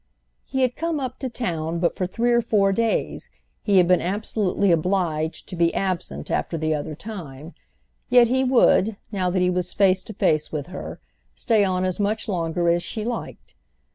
He had come up to town but for three or four days; he had been absolutely obliged to be absent after the other time; yet he would, now that he was face to face with her, stay on as much longer as she liked.